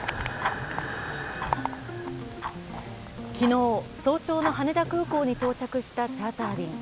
昨日、早朝の羽田空港に到着したチャーター便。